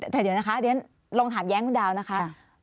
แต่เดี๋ยวนะคะเดี๋ยวลองถามแย้งคุณดาวนะคะ